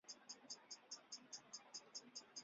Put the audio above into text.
暗杀事件列表